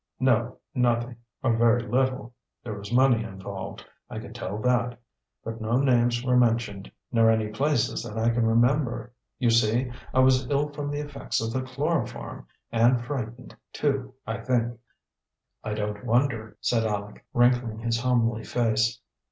"No, nothing; or very little. There was money involved. I could tell that. But no names were mentioned, nor any places that I can remember. You see, I was ill from the effects of the chloroform, and frightened, too, I think." "I don't wonder," said Aleck, wrinkling his homely face.